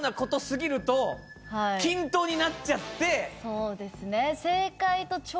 そうですね。